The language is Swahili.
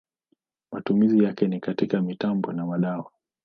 Matumizi yake ni katika mitambo na madawa.